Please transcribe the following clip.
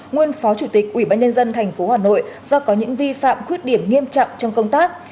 nguyên phó chủ tịch ủy ban nhân dân tp hà nội do có những vi phạm khuyết điểm nghiêm trọng trong công tác